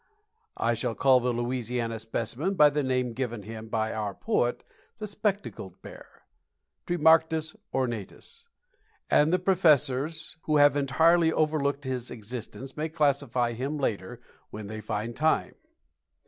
I shall call the Louisiana specimen by the name given him by our poet, the Spectacled Bear, Tremarctos Ornatus, and the professors who have entirely overlooked his existence may classify him later when they find time.